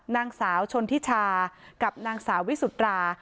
นางสาวชนทิชากับนางสาววิสุตรา